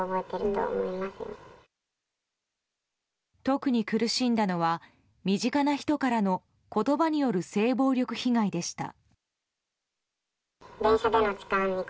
特に苦しんだのは身近な人からの言葉による性暴力被害でした。